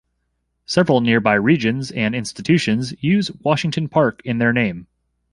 Several nearby regions and institutions use Washington Park in their name.